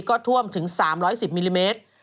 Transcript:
ก็ท่วมถึง๓๑๐มิลลิเมตร